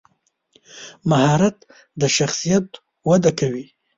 مهارت د شخصیت وده کوي.